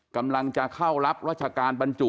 กำลังจะเข้ารับราชการบรรจุ